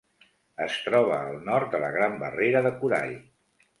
Es troba al nord de la Gran Barrera de Corall.